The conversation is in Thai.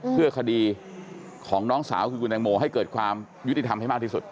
เพื่อคดีของน้องสาวคือคุณแตงโมให้เกิดความยุติธรรมให้มากที่สุด